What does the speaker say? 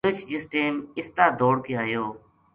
رِچھ جس ٹیم اس تا دوڑ کے آیو